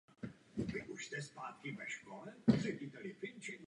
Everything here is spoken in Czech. Většinou se jednalo pouze o upravené hry jiných autorů.